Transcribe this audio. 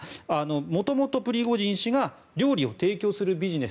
もともとプリゴジン氏が料理を提供するビジネス。